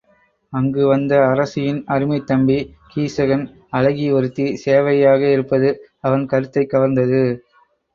அங்கு வந்த அரசியின் அருமைத்தம்பி கீசகன் அழகி ஒருத்தி சேவகியாக இருப்பது அவன் கருத்தைக்கவர்ந்தது.